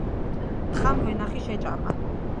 თხამ ვენახი შეჭამა.